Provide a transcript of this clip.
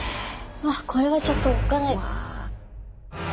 これはちょっとおっかない。